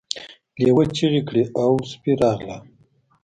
لیوه چیغې کړې او سپي راغلل.